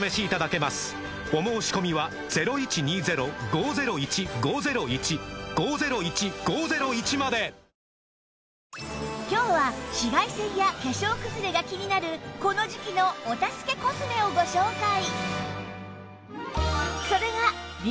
お申込みは今日は紫外線や化粧くずれが気になるこの時季のお助けコスメをご紹介！